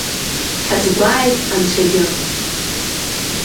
Дҳазгәааит Анцәагьы!